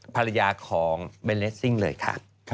ภรรยาของเบนรัศน์ซิงค์เลยค่ะ